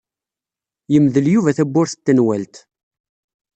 Yemdel Yuba tawwurt n tenwalt.